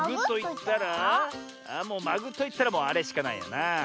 もう「まぐ」といったらもうあれしかないよな。